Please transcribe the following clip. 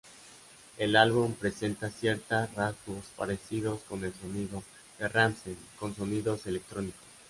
El álbum presenta cierta rasgos parecidos con el sonido de Rammstein con sonidos electrónicos.